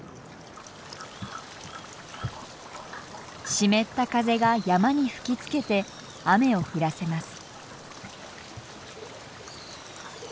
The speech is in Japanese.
湿った風が山に吹きつけて雨を降らせます。